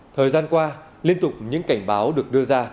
thời gian qua liên tục những cảnh báo được đưa ra